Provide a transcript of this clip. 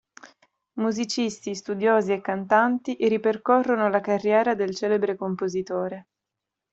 Musicisti, studiosi e cantanti ripercorrono la carriera del celebre compositore.